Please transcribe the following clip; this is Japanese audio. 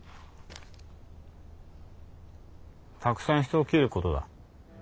たくさん人を斬ることだ。